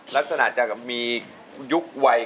ลักษณะจะมียุควัย